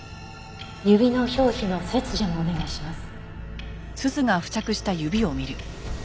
指の表皮の切除もお願いします。